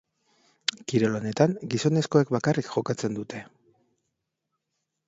Kirol honetan, gizonezkoek bakarrik jokatzen dute.